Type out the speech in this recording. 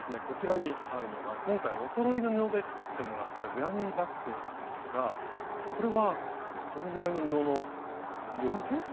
こちらにあるのが今回おそろいの布で作ってもらったグラニーバッグなんですがこれはどのぐらいの布の量ですか？